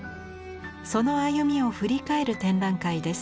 その歩みを振り返る展覧会です。